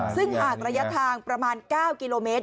ซึ่งหากระยะทางประมาณ๙กิโลเมตร